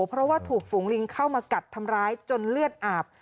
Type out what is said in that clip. เพราะว่าถูกฝูงลิงเข้ามากัดทำร้ายจนเลือดอาบ